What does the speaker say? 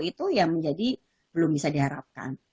itu ya menjadi belum bisa diharapkan